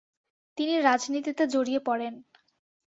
তিনি রাজনীতিতে জড়িয়ে পড়েন ।